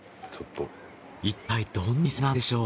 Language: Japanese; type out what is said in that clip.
いったいどんな店なんでしょう？